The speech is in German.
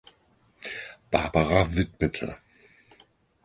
Barbara widmete.